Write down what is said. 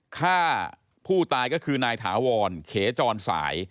ฆ่าผู้ตายก็คือนายถาวรเขจรสาย